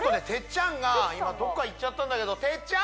テッちゃんが今どっか行っちゃったんだけどテッ